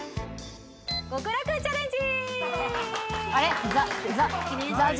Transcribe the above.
極楽チャレンジ。